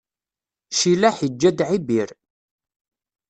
Cilaḥ iǧǧa-d Ɛibir.